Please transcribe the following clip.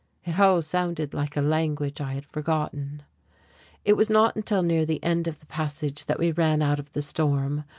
It all sounded like a language I had forgotten. It was not until near the end of the passage that we ran out of the storm.